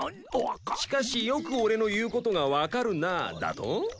「しかしよく俺の言う事が分かるなあ」だと？